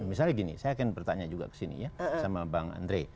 misalnya gini saya akan bertanya juga kesini ya sama bang andre